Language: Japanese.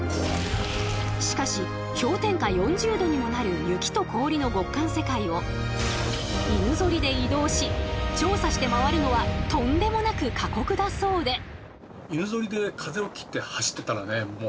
しかし氷点下４０℃にもなる雪と氷の極寒世界を犬ぞりで移動し調査して回るのはとんでもなく過酷だそうで。